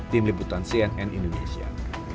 tim liputan cnn indonesia